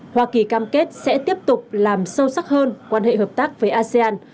hoa kỳ cam kết sẽ tiếp tục làm sâu sắc hơn quan hệ hợp tác với asean